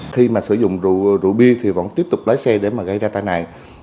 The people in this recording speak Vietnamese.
khi mà sử dụng rượu bia thì vẫn tiếp tục lái xe để mà gây ra tai nạn